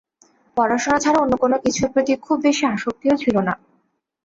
পড়াশোনা ছাড়া অন্য কোনো কিছুর প্রতি খুব বেশি আসক্তিও ছিল না।